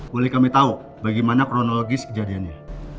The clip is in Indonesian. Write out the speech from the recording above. boleh kami tahu bagaimana kronologis kejadiannya